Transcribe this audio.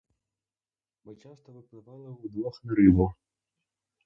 Ми часто випливали удвох на рибу.